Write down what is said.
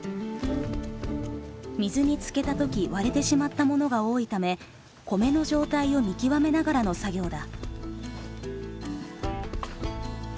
水につけた時割れてしまったものが多いため米の状態を見極めながらの作業だ。